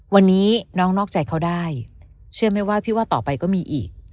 ตอนนี้น้องนอกใจเขาได้เชื่อมั้ยว่าต่อไปก็มีอีก